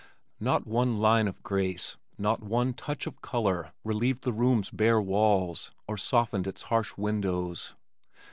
Not one line of grace, not one touch of color relieved the room's bare walls or softened its harsh windows.